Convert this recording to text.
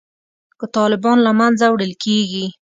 که طالبان له منځه وړل کیږي